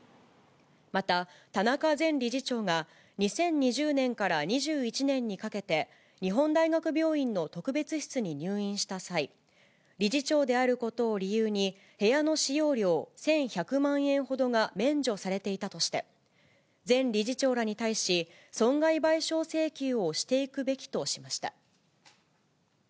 また、田中前理事長が、２０２０年から２１年にかけて、日本大学病院の特別室に入院した際、理事長であることを理由に部屋の使用料１１００万円ほどが免除されていたとして、前理事長らに対し、損害賠償請求をしていくべきとしました。